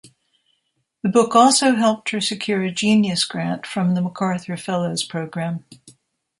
The book also helped her secure a "Genius Grant" from the MacArthur Fellows Program.